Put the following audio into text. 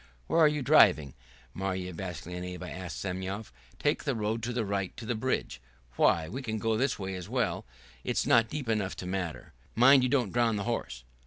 "Where are you driving?" Marya Vassilyevna asked Semyon. "Take the road to the right to the bridge." "Why, we can go this way as well. It's not deep enough to matter." "Mind you don't drown the horse."